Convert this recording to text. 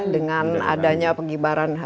dengan adanya penggibaran